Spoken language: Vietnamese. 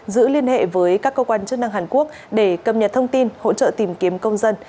giữ liên hệ với các cơ quan chức năng hàn quốc để cập nhật thông tin hỗ trợ tìm kiếm công dân